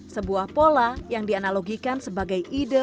sebuah pola yang dianalogikan sebagai ide